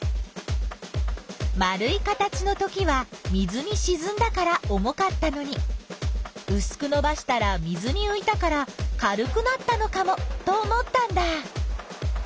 丸い形のときは水にしずんだから重かったのにうすくのばしたら水にういたから軽くなったのかもと思ったんだ。